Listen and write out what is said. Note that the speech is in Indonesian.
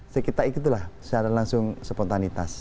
sekitar itu lah secara langsung sepontanitas